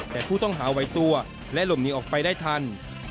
แต่ผู้ต้องหาไหวตัวและหลบหนีออกไปได้ทัน